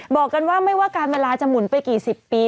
บอกกันว่าไม่ว่าการเวลาจะหมุนไปกี่สิบปี